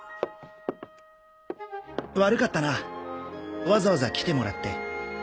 悪かったなわざわざ来てもらって。